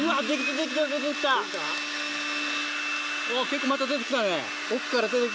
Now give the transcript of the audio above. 結構また出て来たね